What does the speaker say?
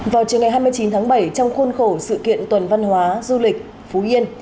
vào chiều ngày hai mươi chín tháng bảy trong khuôn khổ sự kiện tuần văn hóa du lịch phú yên